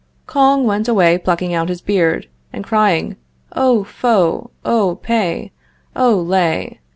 Kouang went away plucking out his beard, and crying: Oh, Fo! Oh, Pe! Oh, Le!